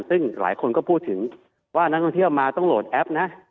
ซึ่งหลายคนก็พูดถึงว่านักท่องเที่ยวมาต้องโหลดแอปนะ